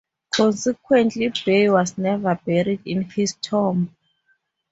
Consequently, Bay was never buried in his tomb.